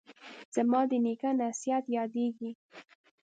زما د نیکه نصیحت یادیږي